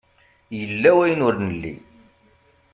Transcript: Yella wayen ur nelli.